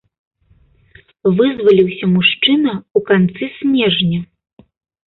Вызваліўся мужчына ў канцы снежня.